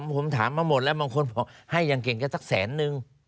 ผมถามมาหมดแล้วบางคนบอกให้อย่างเก่งก็สักแสนนึง